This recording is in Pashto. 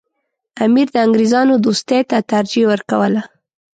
امیر د انګریزانو دوستۍ ته ترجیح ورکوله.